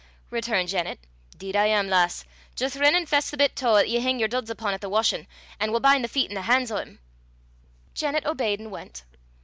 returned Janet. "'Deed am I, lass! Jist rin and fess the bit tow 'at ye hing yer duds upo' at the washin', an' we'll bin' the feet an' the han's o' 'im." Janet obeyed and went.